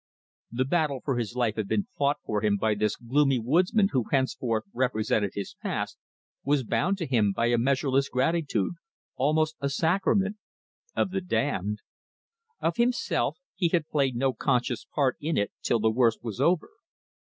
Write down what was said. The battle for his life had been fought for him by this gloomy woodsman who henceforth represented his past, was bound to him by a measureless gratitude, almost a sacrament of the damned. Of himself he had played no conscious part in it till the worst was over.